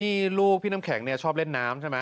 นี่ลูกพี่น้ำแข็งเนี่ยชอบเล่นน้ำใช่ไหม